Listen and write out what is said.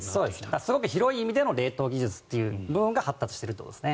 すごく広い意味での冷凍技術が発達しているということですね。